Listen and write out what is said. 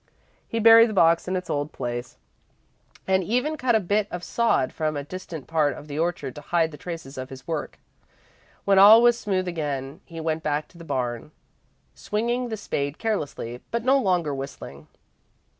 He buried the box in its old place, and even cut a bit of sod from a distant part of the orchard to hide the traces of his work. When all was smooth again, he went back to the barn, swinging the spade carelessly but no longer whistling.